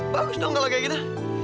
bagus dong kalau kayak gitu